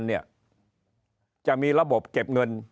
เนี่ยจะมีระบบเก็บเงิน